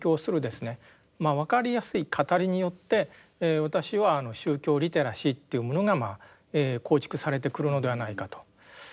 まあ分かりやすい語りによって私は宗教リテラシーというものが構築されてくるのではないかと。